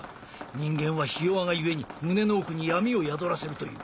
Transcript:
人間はひ弱がゆえに胸の奥に闇を宿らせるという。